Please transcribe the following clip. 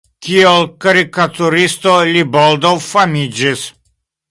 Kiel karikaturisto li baldaŭ famiĝis.